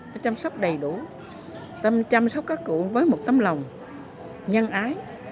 nó chăm sóc đầy đủ chăm sóc các cụ với một tâm lòng nhân ái